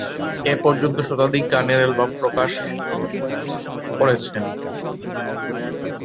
এ পর্যন্ত শতাধিক গানের এলবাম প্রকাশ করেছেন।